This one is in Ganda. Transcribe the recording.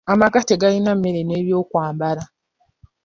Amaka tegalina mmere n'ebyokwambala.